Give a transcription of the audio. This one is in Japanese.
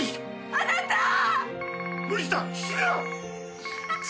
あなたー！